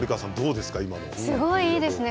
すごいいいですね